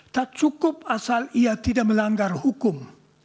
tak cukup asal ia tidak melanggar hukum